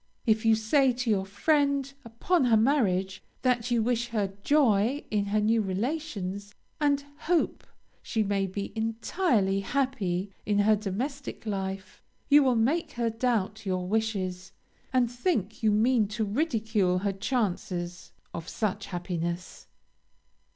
If you say to your friend upon her marriage, that you wish her "joy in her new relations, and hope she may be entirely happy in her domestic life," you make her doubt your wishes, and think you mean to ridicule her chances of such happiness.